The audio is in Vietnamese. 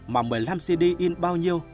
mà một mươi năm cd in bao nhiêu